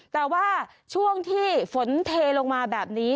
แต่ว่าช่วงที่ฝนเทลงมาแบบนี้